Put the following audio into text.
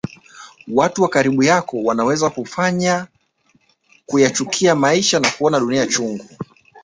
Watu wa karibu yako wanaweza kukufanya kuyachukia maisha na kuona dunia chungu